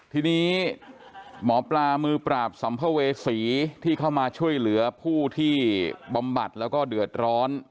ทีนี้หมอปลามือปราบสัมภเวษีที่เข้ามาช่วยเหลือผู้ที่บำบัดแล้วก็เดือดร้อน